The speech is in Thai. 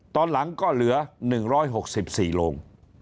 ตอนหลังก็เหลือ๑๖๔โรง